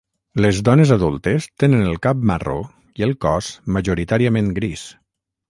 Les dones adultes tenen el cap marró i el cos majoritàriament gris.